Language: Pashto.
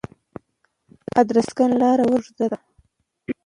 ادرسکن لاره ولې اوږده ده؟